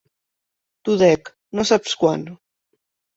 T'ho dec, no saps quant.